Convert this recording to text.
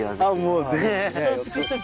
もうぜひ。